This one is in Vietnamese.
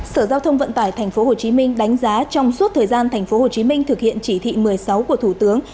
sở giao thông vận tải tp hcm đánh giá trong suốt thời gian tp hcm thực hiện chỉ thị một mươi sáu của thủ tướng